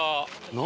何？